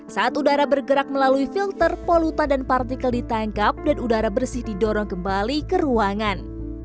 saat udara bergerak melalui filter polutan dan partikel ditangkap dan udara bersih didorong kembali ke ruangan